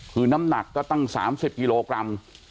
คือน้ำหนักก็ตั้ง๓๐กิโลกรัม